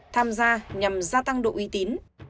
tham gia nhằm gia tăng độ uy tín